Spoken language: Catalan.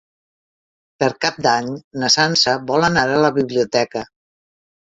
Per Cap d'Any na Sança vol anar a la biblioteca.